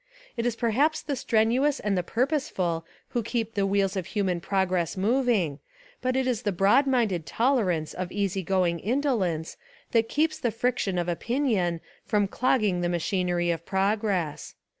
It is perhaps the strenuous and the purposeful who keep the wheels of human progress mov ing, but it is the broad minded tolerance of easy going indolence that keeps the friction of opin ion from clogging the machinci'y of progress.